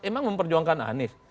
emang memperjuangkan anies